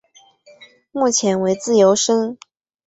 目前为自由身。